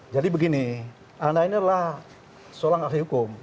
jadi begini anda ini adalah seorang ahli hukum